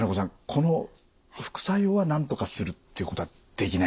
この副作用はなんとかするっていうことはできないんですかね。